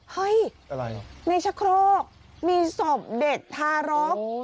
เฮ้ยอะไรในชะโครกมีศพเด็กทารก